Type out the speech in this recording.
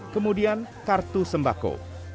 kemudian kartu sembako